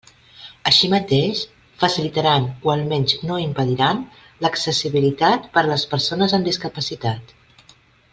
Així mateix, facilitaran, o almenys no impediran, l'accessibilitat per a les persones amb discapacitat.